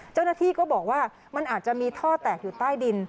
เจ้าหน้าที่ก็บอกว่ามันอาจจะมีท่อแตกอยู่ใต้ดิน